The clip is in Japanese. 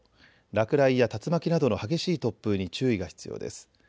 落雷や竜巻などの激しい突風に注意が必要です。